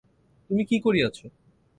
তুমি কী করিয়াছ?